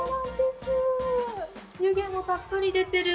湯気もたっぷり出てる。